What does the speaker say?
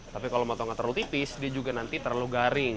tapi kalau motongnya terlalu tipis dia juga nanti terlalu garing